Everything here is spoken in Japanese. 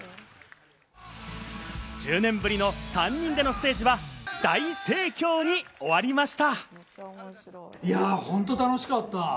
１０年ぶりの３人でのステージは大盛況に終わりました。